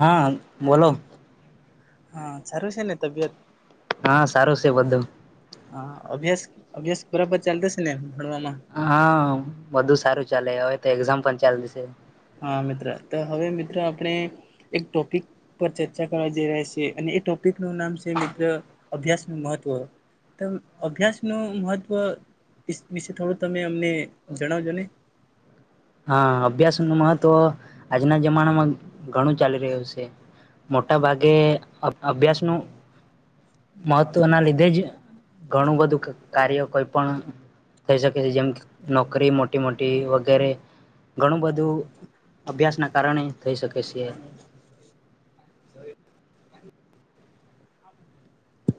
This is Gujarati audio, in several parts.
[inaudible] હા બોલો હા સારું છે ને તબિયત હા સારું છે બધું હા અભ્યાસ અભ્યાસ બરા પર ચાલતા છે ને ભણવામાં હા બધું સારું ચાલે હવે તો એક્ઝામ પણ ચાલશે હા મિત્ર તો હવે મિત્રો આપણે એક ટોપિક પર ચર્ચા કરવા જઈ રહ્યા છીએ અને એોપ નું નામ છે મિત્ર અભ્યાસ મહત્વ અભ્યાસ નું મહત્વ વિશે થોડું તમે અમને જણાવજો ને હા અભ્યાસ ન મહત્વ તો આજના જમાનામાં ઘણું ચાલી રહ્યું છે મોટા ભાગે અભ્યાસ નું મહત્વ ના લીધે જ ઘણું બધું કાર્ય કોઈ પણ થઈ શકે છે જેમ કે નોકરી મોટી મોટી ઘરે ઘણું બધું અભ્યાસ ના કારણે થઈ શકે છે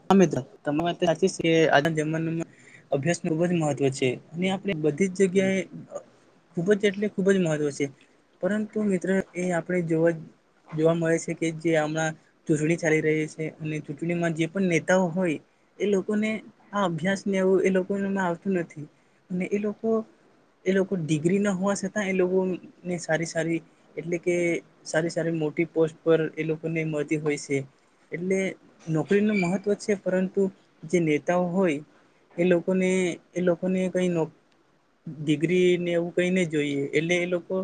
હા મિત્ર ત સાચી છે આજ જમા અભ્યાસ ન ખબ જ મહત્વ છે અને આપણે બધી જ જગ્યાએ ખૂબ જ એટલે ખૂબ જ મહત્વ છે પરંતુ મિત્ર એ આપણે જોવા જ જોવા મળે છે કે જે હમણાં ચૂંટણી ચાલી રહી છે અને ચૂંટણીમાં જે નેતાઓ હોય એ લોકોને આ અભ્યાસને એવું એ લોકોમાં આવતું નથી અને એ લોકો એ લોકો ડિગ્રી ના હોવા છતાં એ લોકોને સારી સારી એટલે કે સારી સારી મોટી પોસ્ટ પર એ લોકોને મળતી હોય છે એટલે નોકરી. નોકરી ન મહત્વ છે પરંતુ જે નેતાઓ હોય એ લોકોને એ લોકોને કઈ નો ડિગ્રી ને એવું કઈ નને જોઈએ એટલે એ લોકો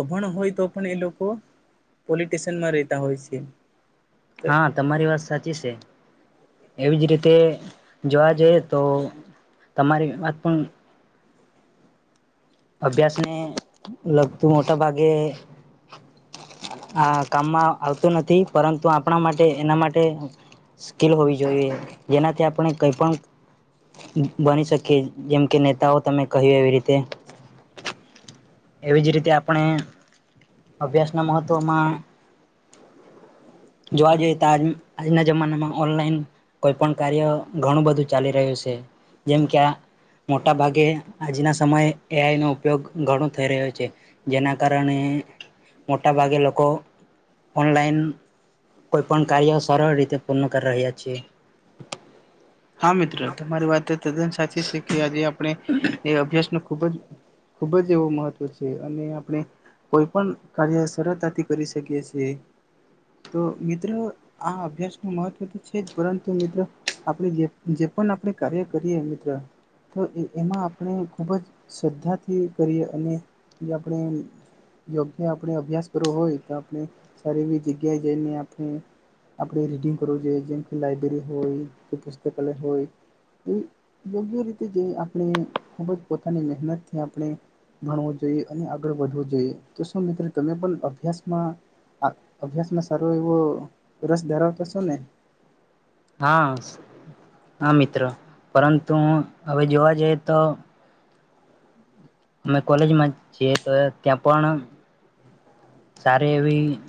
અભણ હોય તો પણ એ લોકો પોલિટશનમાં રહેતા હોય છે. હા તમારી વાત સાચી છે. એવીજ રીતે જોવા જઈએ તો તમારી વાત પણ અભ્યાસ ને લગતું મોટા ભાગે [inaudible] આ કામમાં આવતું નથી પરંતુ આપણા માટે એના માટે સ્કીલ હોવી જોઈએ જેનાથી આપણે કઈ પણ બની શકીએ જેમ કે નેતાઓ તમે કહ્યું એવી રીતે એવી જ રીતે આપણે અભ્યાસના મહત્ત્વમાં જોવા જઈએ તો આજના જમાનામાં ઓનલાઈન કોઈ પણ કાર્ય ઘણું બધું ચાલી રહ્યું છે જેમ કે આ મોટા ભાગે આજના સમયે એઆઈ નો ઉપયોગ ઘણો થઈ રહ્યો છે જેના કારણે મોટા ભાગે લોકો ઓનલાઈન કોઈ પણ કાર્ય સરળ રીતે પૂર્ણ કરી રહ્યા છે હા મિત્રો તમારી વાત સાચી છે કે અભી આપણે અભ્યાસ ખૂબ જ ખૂબ જ એવો મહત્ત્વ છે અને આપણે કોઈ પણ કાર્ય સરળતાથી કરી શકીએ છીએ તો મિત્રો આ અભ્યાસનું મહત્ત્વ છે જ પરંતુ મિત્ર આપણે જે જે પણ આપણે કાર્ય કરીએ મિત્ર તો એ એમાં આપણે ખૂબ જ શ્રદ્ધાથી કરીએ અને જે આપણે યોગ્ય આપણે અભ્યાસ કરવો હોય તો આપણે સારી એવી જગ્યાએ જઈને આપણે આપણે રીડિંગ કરવું જોઈએ જેમ લાઈબ્રેરી હોય કે પુસ્તકાલય હોય એ યોગ્ય રીતે આપણે ખૂબ જ પોતાની મહેનતથી આપણે ભણવું જોઈએ અને આગળ વધવું જોઈએ તો શું મિત્રો તમે પણ અભ્યાસમાં અભ્યાસમાં સારો એવો રસ ધરાવતા છો ને હા હા મિત્ર પરંતુ હવે જોવા જઈએ તો અમે કોલેજમાં જ છે તો ત્યાં પણ સારે એવી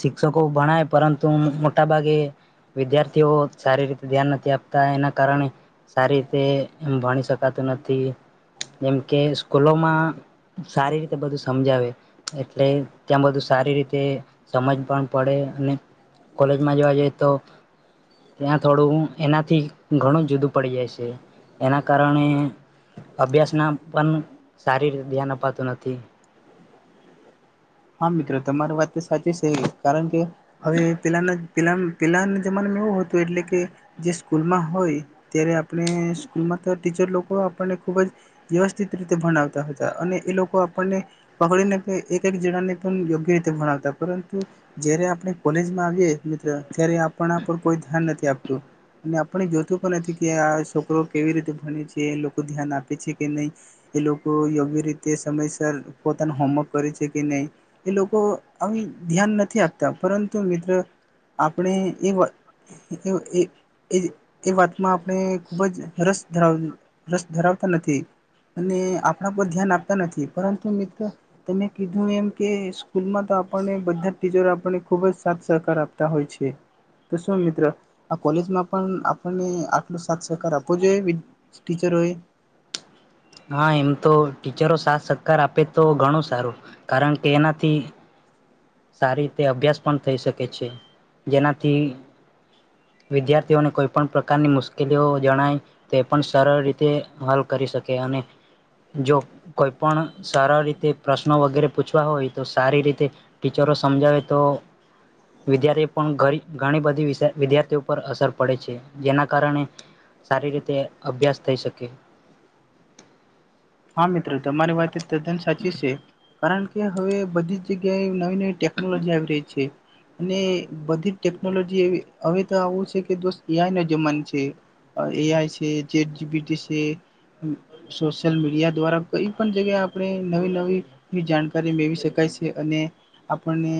શિક્ષકો ભણાય પરંતુ મોટા ભાગે વિદ્યાર્થીઓ સારી રી ધ્યાન નથી આપતા એના કારણે સારી રીતે એમ ભણી શકાતું નથી તી જેમ કે સ્કૂલોમાં સારી રીતે બધું સમજાવે એટલે ત્યાં બધું સારી રીતે સમજ પણ પડે અને કોલેજમાં જવા જઈએ તો ત્યાં થોડું એનાથી ઘણું જુદું પડી જાય છે એના કારણે અભ્યાસના પણ સારી રીતે ધ્યાન અપાતું નથી હા મિત્રો તમારી વાત તો સાચી છે કારણ કે હવે પેલાના પેલાના પેલાના જમાનામાં એવું હતું એટલે કે જે સ્કૂલમાં હોય ત્યારે આપણે સ્કૂલમાં તો ટીચર લોકો આપણને ખૂબ જ વ્યવસ્થિત રીતે ભણાવતા હતા અને એ લોકો આપણને પકડીને એક એક જવન ને પણ યોગ્ય રીતે ભણાવતા પરંતુ જયારે આપણે કોલેજમાં આવીએ મિત્ર ત્યારે આપણા પર કોઈ ધ્યાન નથી આપતું અને આપણે જોતું પણ નથી કે આ છોકરો કેવી રીતે ભણે છે એ લોકો ધ્યાન આપે છે કે નહીં એ લોકો યોગ્ય રીતે સમયસર પોતાનું હોમવર્ક કરે છે કે નહી એ લોકો આવી ધ્યાન નથી આપતા પરંતુ મિત્ર આપણે એ એ એ એ વાતમાં આપણે ખૂબ જ રસ ધરા રસ ધરાવતા નથી અને આપણા પર ધ્યાન આપતા નથી પરંતુ મિત્રો તમે કીધું એમ કે સ્કૂલમાં તો આપણને બધા ટીચરો આપને ખુબ જ સાથ સહકાર આપતા હોય છે તો શું મિત્ર આ કોલેજમાં પણ આપને આટલો સાથ સહકાર આપવો જોઈએ વિ ટીચરોએ હા એમ તો ટીચરો સાથ સહકાર આપે તો ઘણું સારું કારણ કે એનાથી સારી રીતે અભ્યાસ પણ થઈ શકે છે જેનાથી વિદ્યાર્થીઓને કોઈ પણ પ્રકારની મુશ્કેલીઓ જણાય તે પણ સરળ રીતે હલ કરી શકે અને જો કોઈ પણ સરળ રીતે પ્રશ્નો વગેરે પૂછવા હોય તો સારી રીતે ટીચરો સમજાવે તો વિદ્યાર્થી પણ ગ ઘણી બધી વિશે વિદ્યાર્થીઓ પર અસર પડે છે જેના કારણે સારી રીતે અભ્યાસ થઈ શકે હા મિત્રો તમારી વાત એ તદ્દન સાચી છે કારણ કે હવે બધી જ જગ્યાએ ટેકનોલોજી આવી રહી છે. અને બધી ટેકનોલોજી હવે તો આવું છે કે દોસ્ત એઆઈ નો જમાનો છે એઆઈ છે જેટ જબીટી છે સોશિયલ મીડિયા દ્વારા કઈ પણ જગ્યાએ આપણે નવી નવીવી જાણકારી મેળવી શકાય છે અને આપણને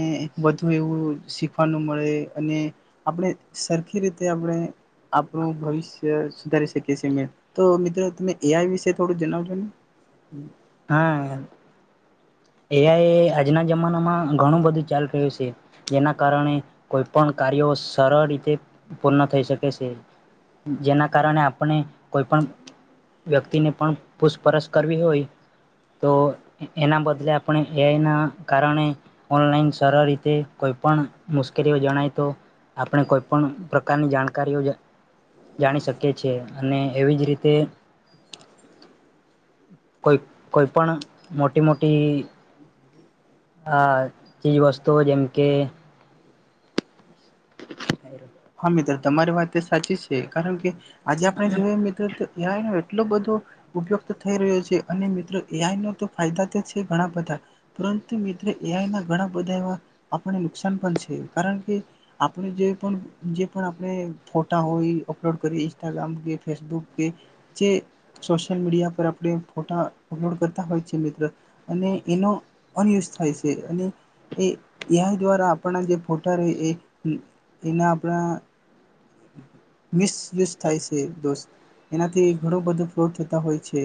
વધુ એવું શીખવાનું મળે અને આપણે સરખી રીતે આપણે આપણું ભવિષ્ય સુધારી શકીએ છીએ મે તો મિત્રો તમે એ વિશે થોડું જણાવજો ને. હા એ એ આજના જ જમાનામાં ઘણું બધું ચાલ રહ્યું છે. જેના કારણે કોઈ પણ કાર્યો સરળ રીતે પૂર્ણ થઈ શકે છે જેના કારણે આપણે કોઈપણ વ્યક્તિને પણ પૂછપરછ કરવી હોય તો એના બધા એટલે આપણે એઆના કારણે ઓનલાઈન સરળ રીતે કોઈપ મુશ્કેલીઓ જણાય તો આપણે કોઈપણ પ્રકારની જાણકારીઓ જાણી શકીએ છીએ અને એવી જ રીતે. કોઈ કોઈ પણ મોટી મો ઈક હ ચીજ વસ્તુઓ જેમ કે [inaudible] હા મિત્ર તમારી વાત એ સાચી છે કારણ કે આજ આપણે જોઈએ મિત્ર ત એ આઈનો એટલો બધો ઉપયોગ તો થઈ રહ્યો છે અને મિત્ર એ આઈ ન તો ફાયદા તો છે ઘણા બધા પરંતુ મિત્ર એ આઈ ના ઘણા બધા એવા આપણને નુકસાન પણ છે કારણ કે આપડુ જે પણ જે પણ આપણે ફોટા હોય અપલોડ કરીએ ઇન્સ્ટાગ્રામ કે ફેસબુક કે જે સોશિયલ મીડિયા પર આપડે ફોટા અપલોડ કરતા હોય છે મિત્રો અને એનો અનયુઝ થાય છે અને એ આઈ દ્વારા આપના જે ફોટા રહે એ એના પણા મિસયુઝ થાય છે દોસ્ત એનાથી ઘણું બધો ફ્રોડ થતા હોય છે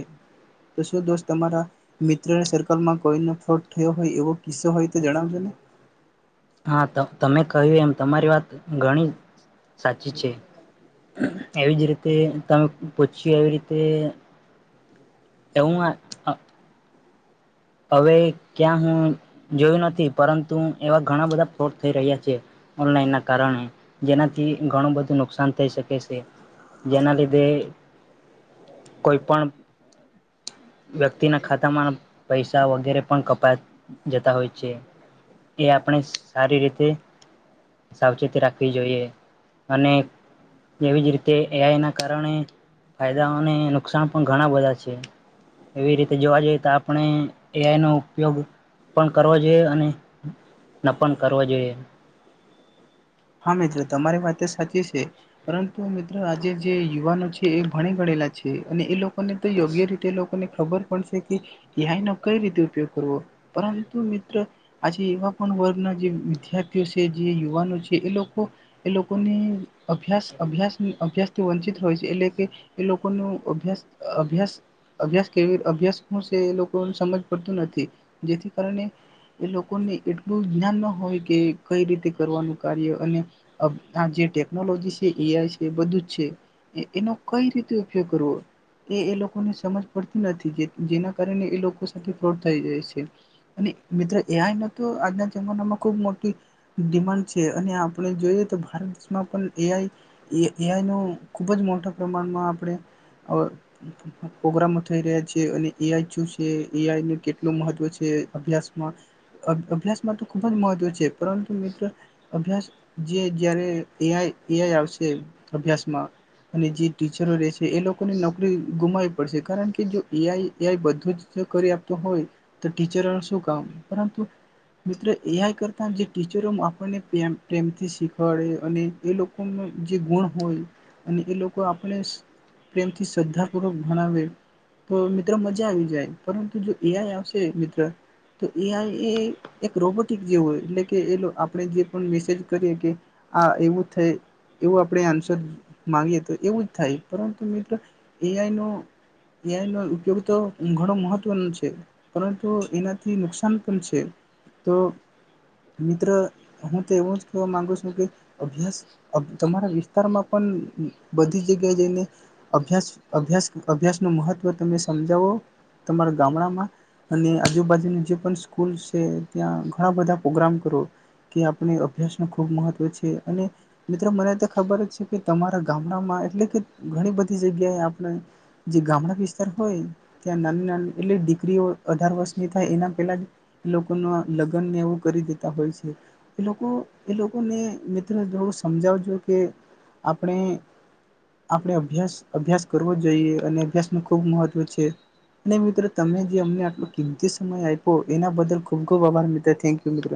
તો શું દોસ્ત તમારા મિત્ર સર્કલમાં કોઈનો ફ્રોટ થયો હોય એવો કિસ્સો હોય તો જણાવજો ને. હા તમે કહ્યું એમ તમારી વાત ઘણી સાચી છે. એવીજ રીતે તમ પછી એવી રીતે તેવું હ અ હવે ક્યાં હું જોયું નથી પરંતુ એવા ઘણા બધા ફ્રોટ થઈ રહ્યા છે ઓનલાઈન ના કારણે જેનાથી ઘણું બધું નુકસાન થઈ શકે છે જેના લીધે કોઈ પણ વ્યક્તિના ખાતામાં પૈસા વગેરે પણ કપા જતા હોય છે એ આપણે સારી રીતે સાવચેતી રાખવી જોઈએ અને તેવી જ રીતે એઆઈ ના કારણે ફાયદાઓને નુકસાન પણ ઘણા બધા છે એવી રીતે જોવા જઈએ તો આપ પણે એ આઈ નો ઉપયોગ પણ કરવો જોઈએ અને ન પણ કરવો જોઈએ. હા મિત્રો તમારી વાત તો સાચી છે પરંતુ મિત્ર આજે જે યુવાનો છે એ ભણી ગડેલા છે અને એ લોક ને તો યોગ્ય રીતે લોકોને ખબર પડશે કે એ આઈનો કઈ રીતે ઉપયોગ કરવો પરંતુ મિત્ર આજે એવા પણ વર્ગના જે વિદ્યાર્થીઓ છે જે યુવાનો છે. કે એ લોકો એ લોકોની અભ્યાસ અભ્યાસ અભ્યાસથી વંચિત હોય છે એટલે કે એ લોકોનું અભ્યાસ અભ્યાસ અભ્યાસ કેવી અભ્યાસ હું છે એ લોકો સમજ પડતું નથી જેથી કારણે એ લોકોને એટલું જ્ઞાન ન હોય કે કઈ રીતે કરવાનું કાર્ય અને આ જે ટેકનોલોજી છે એ આઈ છે બધું જ છે એનો કઈ રીતે ઉપયોગ કરવો એ એ લોકોને સમજ પડતી નથી જેના કારણે એ લોકો સાથે ફ્રોડ થઈ રહી છે અને મિત્ર એ આઈનો તો આજના જમાનામાં ખુબ મોટી ડિમાન્ડ તે આપડે જોઈએ તો ભારત દેશમાં પણ એ આઈ એઆઈ નો ખુબ જ મોટા પ્રમાણમાં આપડે અ પ્રગ્રામો થઈ રહ્યો છે અને એ આઈ શું છે એ આઈ નુ કેટલું મહત્વ છે અભ્યાસમાં અભ્યાસમાં તો ખુબ જ મહત્વ છે પરંતુ મિત્ર અભ્યાસ જે જયારે એઆઈ એઆઈ આવશે અભ્યાસમાં અને જે ટીચરો રહે છે એ લોકોને નોકરી ગુમાવી પડશે કારણ કે જો એઆઈ એઆઈ બધું જ કરી આપતું હોય તો ટીચરોનું શું કામ પરંતુ મિત્ર એઆઈ કરતા જે ટીચરો આપણને પ્રેમથી શીખવાડે અને એ લોકોનો જે ગુણ હોય અને એ લોકો આપણે પ્રેમથી શ્રદ્ધાપૂર્વક ભણાવે તો મિત્રો મજા આવી જાય પરંતુ જો એઆઈ આવશે મિત્ર તો એઆઈ એ એક રોબોટિક જેવું હોય એટલે કે એ આપડે જે પણ મેસેજ કરીએ કે આ એવું થાય એવું આપડે આન્સર માંગીએ તો એવું જ થાય પરંતુ મિત્ર એઆઈનો એઆઈ નો ઉપયોગ તો ઘણો મહત્વનો છે પરંતુ એનાથી નુકસાન પણ છે તો મિત્ર હું તો એવું જ કહેવા માંગુ છું કે અભ્યાસ તમારા વિસ્તારમાં પણ બધી જગ્યાએ જઈને અભ્યાસ અભ્યાસ અભ્યાસ નનુ મહત્ત્વ તમે સમજાવો તમારા ગામડામાં અને આજુબાજુની જે પણ સ્કૂલ છે ત્યાં ઘણા બધા પ્રોગ્રામ કરો. કે આપણે અભ્યાસ નુ ખૂબ મહત્વ છે અને મિત્રો મને તો ખબર જ છે કે તમારા ગામડામાં એટલે કે ઘણી બધી જગ્યાએ આપણે જે ગામડા વિસ્તાર હોય ત્યાં નાની નાની એટલે દીકરીઓ અઢાર વર્ષની થાય એના પેલા જ લોકોના લગ્નને એવું કરી દેતા હોય છે. એ લોકો એ લોકોને મિત્ર થોડું સમજાવજો કે આપડે આપડે અભ્યાસ અભ્યાસ કરવો જોઈએ અને અભ્યાસ નુ ખૂબ મહત્વ છે ને મિત્ર તમને જે અમને આટલો કિંમતી સમય આયપો એના બદલ ખૂબ ખૂબ આભાર મિત્ર થેન્ક યુ મિત્ર.